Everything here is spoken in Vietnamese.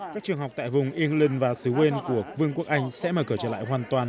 các trường học tại vùng england và xứ quên của vương quốc anh sẽ mở cửa trở lại hoàn toàn